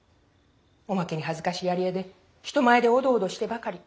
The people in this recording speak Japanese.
おまけに恥ずかしがり屋で人前でおどおどしてばかり。